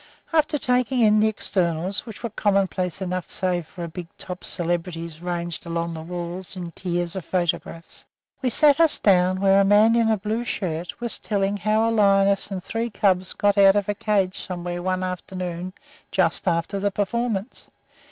After taking in the externals, which were commonplace enough save for "big top" celebrities ranged along the walls in tiers of photographs, we sat us down where a man in a blue shirt was telling how a lioness and three cubs got out of a cage somewhere one afternoon just after the performance.